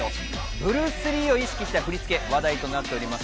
ブルース・リーを意識した振り付けが話題となっています。